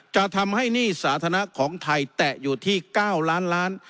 จะทำให้หนี้สาธารณะของไทยแตะอยู่ที่๙ล้านล้าน